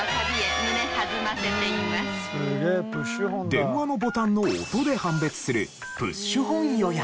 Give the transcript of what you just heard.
電話のボタンの音で判別するプッシュホン予約。